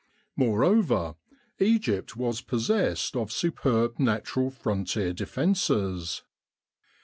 More over, Egypt was possessed of superb natural frontier defences.